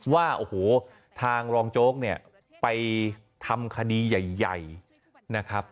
ว่าโอ้โหทางรองโจ๊กเนี่ยไปทำคดีใหญ่นะครับ